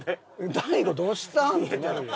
大悟どうしたん？ってなるよ。